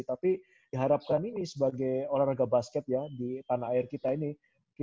tapi diharapkan ini sebagai olahraga basket ya di tanah air kita ini kita membutuhkan begitu banyak orang berbakat